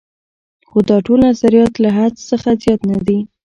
خو دا ټول نظریات له حدس څخه زیات نه دي.